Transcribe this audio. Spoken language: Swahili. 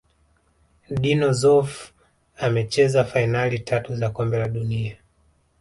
dino Zoff amecheza fainali tatu za kombe la dunia